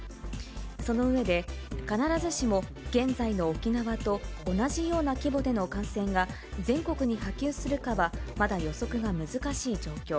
その上で、必ずしも現在の沖縄と同じような規模での感染が全国に波及するかはまだ予測が難しい状況。